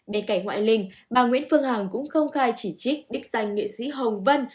bên cạnh ngoại linh bà nguyễn phương hằng cũng không khai chỉ trích đích danh nghệ sĩ hồng vân